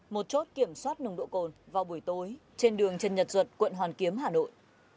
một chốt kiểm soát nồng độ cồn vào buổi tối trên đường trần nhật duật quận hoàn kiếm hà nội